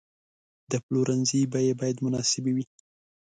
د پلورنځي بیې باید مناسبې وي.